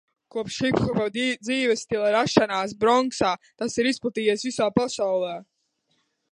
Kopš hiphopa dzīvesstila rašanās Bronksā tas ir izplatījies visā pasaulē.